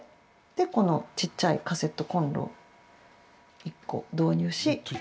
この小っちゃいカセットコンロ１個、導入し。